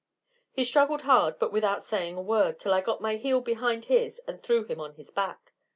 He struggled hard, but without saying a word, till I got my heel behind his and threw him on his back.